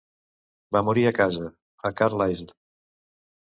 Va morir a casa, a Carlisle.